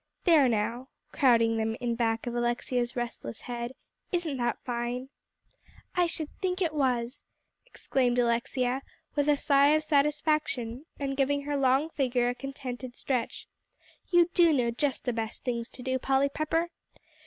"There now," crowding them in back of Alexia's restless head, "isn't that fine?" "I should think it was," exclaimed Alexia with a sigh of satisfaction, and giving her long figure a contented stretch; "you do know just the best things to do, Polly Pepper.